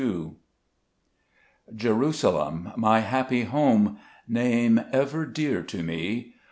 T ERUSALEM, my happy home, ^ Xame ever dear to me